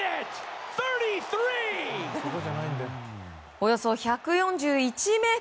およそ１４１ｍ。